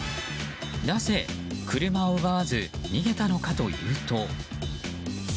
なぜ車を奪わず逃げたのかというと。